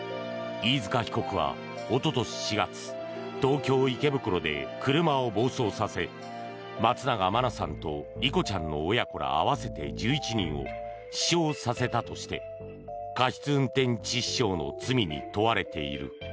飯塚被告はおととし４月、東京・池袋で車を暴走させ松永真菜さんと莉子ちゃんの親子ら合わせて１１人を死傷させたとして過失運転致死傷の罪に問われている。